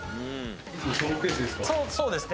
そうですね。